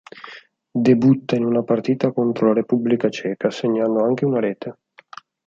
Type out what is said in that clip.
Debutta in una partita contro la Repubblica Ceca, segnando anche una rete.